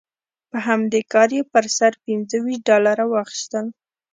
په همدې کار یې پر سر پنځه ویشت ډالره واخیستل.